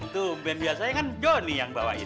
tuh band biasanya kan johnny yang bawain